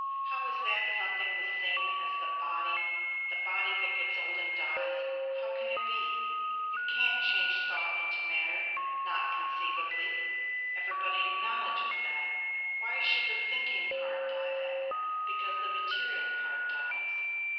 How is that something the same as the body the body that gets old and dies how can it be? You can't change thought into matter not conceivably everybody acknowledges that. Why should the thinking part die then, because the material part dies?